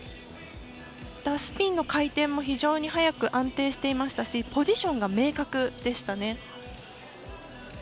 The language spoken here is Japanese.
スピンの回転も非常に速く安定していましたしポジションが明確でしたね。